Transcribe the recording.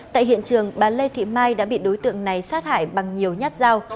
tại hiện trường bà lê thị mai đã bị đối tượng này sát hại bằng nhiều nhát dao